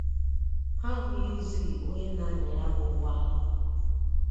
ha ahụghịzị onye na-anyà ya bụ ụgbọala